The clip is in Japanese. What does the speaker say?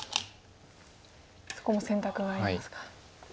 そこも選択がありますか。